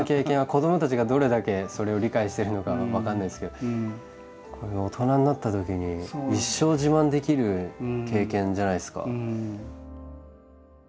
子どもたちがどれだけそれを理解してるのかは分かんないですけどこれ大人になったときに一生自慢できる経験じゃないですか。